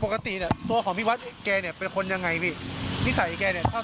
แกกับคนตายนี้ครบกันหรือเปล่า